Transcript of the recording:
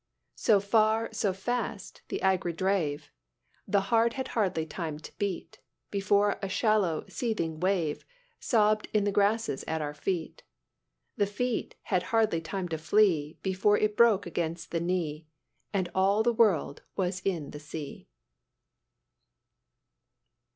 So farre, so fast the eygre drave; The heart had hardly time to beat, Before a shallow, seething wave, Sobbed in the grasses at our feet. The feet had hardly time to flee, Before it broke against the knee, And all the world was in the sea."